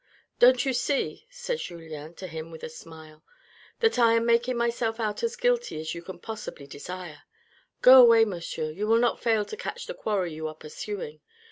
" Don't you see," said Julien to him with a smile, " that I am making myself out as guilty as you can possibly desire ? Go away, monsieur, you will not fail to catch the quarry you are pursuing.